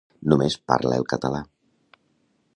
Només parla el català.